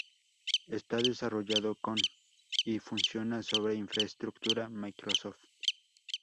Está desarrollado con y funciona sobre infraestructura Microsoft.